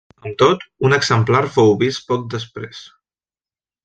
Amb tot, un exemplar fou vist poc després.